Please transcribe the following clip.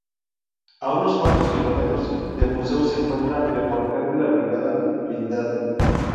A unos cuantos kilómetros del museo se encuentra el cuartel de la Brigada Blindada.